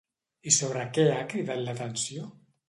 I sobre què ha cridat l'atenció?